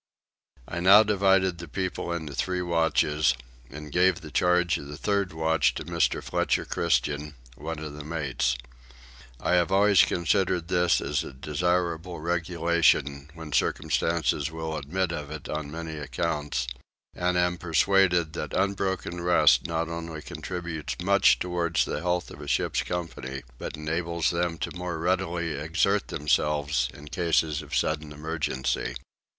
I now divided the people into three watches, and gave the charge of the third watch to Mr. Fletcher Christian, one of the mates. I have always considered this as a desirable regulation when circumstances will admit of it on many accounts; and am persuaded that unbroken rest not only contributes much towards the health of a ship's company but enables them more readily to exert themselves in cases of sudden emergency.